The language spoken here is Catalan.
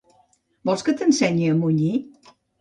Vols que t'ensenyi a munyir?